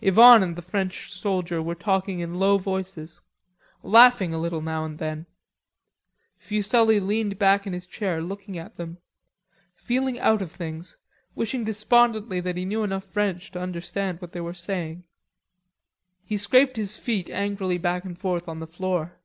Yvonne and the French soldier were talking in low voices, laughing a little now and then. Fuselli leaned back in his chair looking at them, feeling out of things, wishing despondently that he knew enough French to understand what they were saying. He scraped his feet angrily back and forth on the floor.